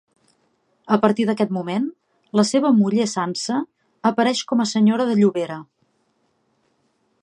A partir d'aquest moment, la seva muller Sança apareix com a senyora de Llobera.